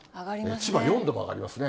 千葉、４度も上がりますね。